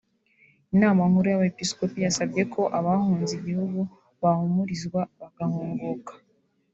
Inama nkuru y’Abepiskopi yasabye ko abahunze igihugu bohumurizwa bagahunguka